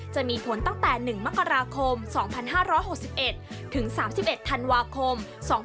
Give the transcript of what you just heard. จะมีผลตั้งแต่๑มกราคม๒๕๖๑ถึง๓๑ธันวาคม๒๕๖๒